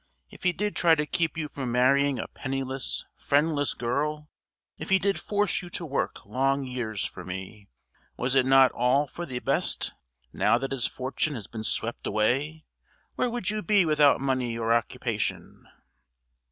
If he did try to keep you from marrying a penniless, friendless girl, if he did force you to work long years for me, was it not all for the best? Now that his fortune has been swept away, where would you be without money or occupation?"